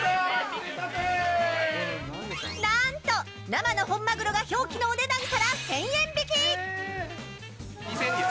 なんと、生の本マグロが表記のお値段から１０００円引き。